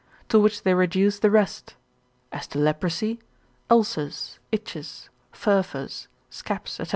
To which they reduce the rest; as to leprosy, ulcers, itches, furfurs, scabs, &c.